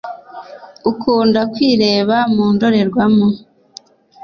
Ukunda kwireba mu ndorerwamo?